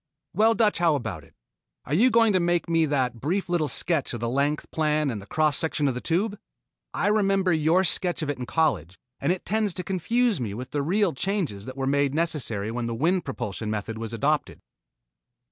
"Well, Dutch, how about it? Aren't you going to make me that brief little sketch of the length plan and cross section of the Tube? I remember your sketch of it in college, and it tends to confuse me with the real changes that were made necessary when the wind propulsion method was adopted."